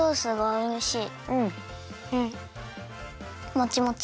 もちもち！